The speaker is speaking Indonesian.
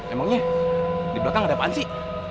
emangnya di belakang ada apaan sih